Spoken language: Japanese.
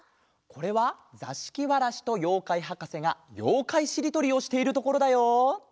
これはざしきわらしとようかいはかせがようかいしりとりをしているところだよ。